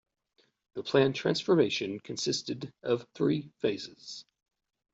The planned transformation consisted of three phases.